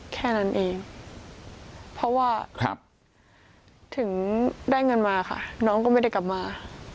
แค่นั้นเองเพราะว่าถึงได้เงินมาค่ะน้องก็ไม่ได้กลับมา